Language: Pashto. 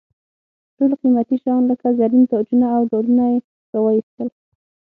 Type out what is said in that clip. ټول قیمتي شیان لکه زرین تاجونه او ډالونه یې را واېستل.